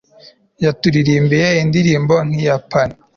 yaturirimbiye indirimbo yikiyapani